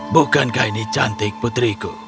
bukankah ini cantik putriku